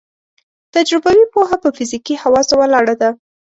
تجربوي پوهه په فزیکي حواسو ولاړه ده.